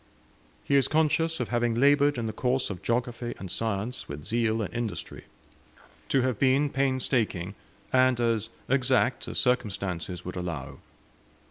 He is conscious of having laboured in the course of geography and science with zeal and industry, to have been painstaking, and as exact as circumstances would allow.